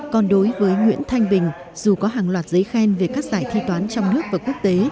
còn đối với nguyễn thanh bình dù có hàng loạt giấy khen về các giải thi toán trong nước và quốc tế